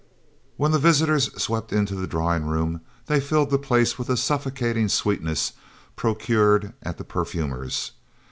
When the visitors swept into the drawing room they filled the place with a suffocating sweetness procured at the perfumer's.